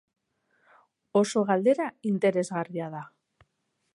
Oso galdera interesgarria da.